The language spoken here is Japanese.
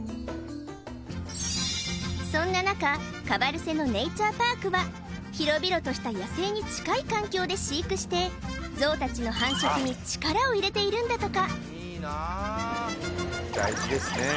そんな中カバルセノ・ネイチャー・パークは広々とした野生に近い環境で飼育してゾウたちの繁殖に力を入れているんだとか大事ですね